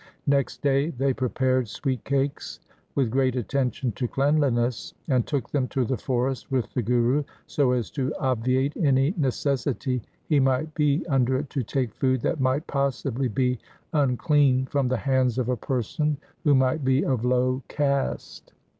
Next day they pre pared sweet cakes with great attention to cleanliness, and took them to the forest with the Guru, so as to obviate any necessity he might be under to take food that might possibly be unclean from the hands of a person who might be of low caste.